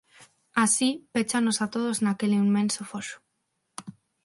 Así, péchanos a todos naquel inmenso foxo.